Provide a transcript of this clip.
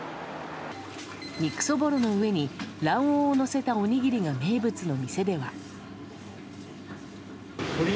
肉そぼろの上に卵黄をのせたおにぎりが名物の店では。